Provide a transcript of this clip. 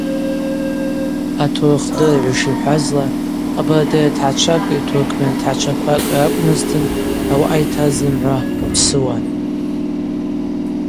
Атурхыдырыгӏв йшихӏвазла, къабардыйа тгӏачвакӏи туркмен тгӏачваквакӏи ракӏвмызтын ауаъа йтаз зымгӏва апсыуан.